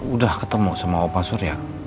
udah ketemu sama pak surya